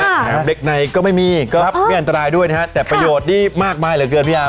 ครับเบคไนท์ก็ไม่มีก็ไม่อันตรายด้วยนะฮะแต่ประโยชน์นี้มากมายเหลือเกินพี่อาร์